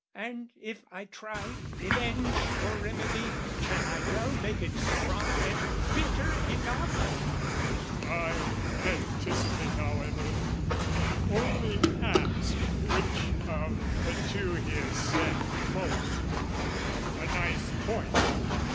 "And if I try revenge for remedy, "Can I well make it strong and bitter enough?" I anticipate however only ask, Which of the two here sinned most? A nice point!